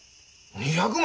２００万！？